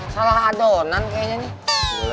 salah adonan kayaknya nih